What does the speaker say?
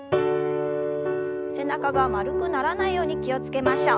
背中が丸くならないように気を付けましょう。